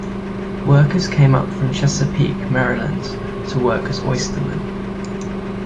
Workers came up from Chesapeake, Maryland, to work as oystermen.